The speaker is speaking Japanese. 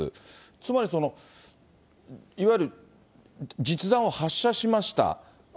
つまり、その、いわゆる実弾を発射しました。